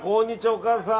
お母さん。